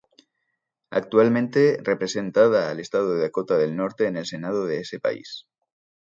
Actualmente representada al estado de Dakota del Norte en el Senado de ese país.